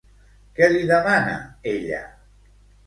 Què li demana, ella?